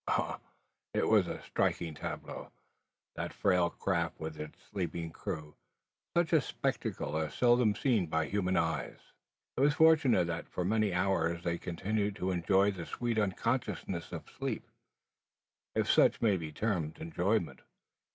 Ah, it was a striking tableau, that frail craft with its sleeping crew, such a spectacle as is seldom seen by human eye! It was fortunate that for many hours they continued to enjoy the sweet unconsciousness of sleep, if such may be termed enjoyment.